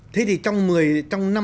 thế thì trong